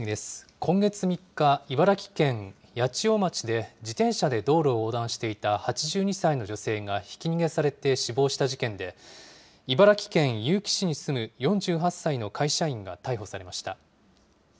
今月３日、茨城県八千代町で、自転車で道路を横断していた８２歳の女性がひき逃げされて死亡した事件で、茨城県結城市に住む４８歳の会社員が逮捕されました。